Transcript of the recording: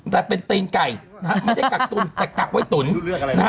แต่เป็นตีนไก่ไม่ใช่กักตุ้นแต่กักไว้ตุ๋น